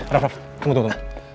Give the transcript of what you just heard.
raf tunggu tunggu